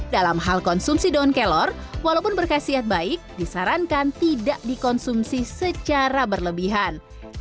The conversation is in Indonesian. dalam hal konsumsi daun kelor walaupun berkasiat baik disarankan tidak dikonsumsi secara berlebihan